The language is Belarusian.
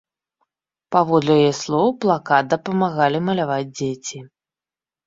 Паводле яе слоў, плакат дапамагалі маляваць дзеці.